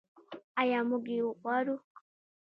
آیا موږ یې غواړو؟